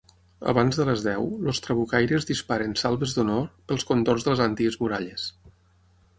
Abans de les deu, els Trabucaires disparen salves d'honor pels contorns de les antigues muralles.